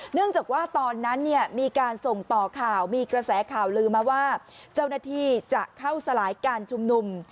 เนื่องจากว่าตอนนั้นมีการส่งต่อข่าวมีกระแสข่าวลือมาว่าเจ้าหน้าที่จะเข้าสลายการชุมนุม